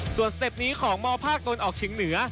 ส่วนสเต็ปนี้ของมภาคตะวันออกเชียงเหนือ